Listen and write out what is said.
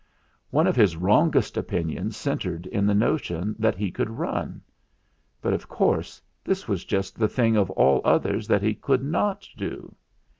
One of his wrongest opinions centred in the notion that he could run. But, of course, this was just the thing of all others that he could not do.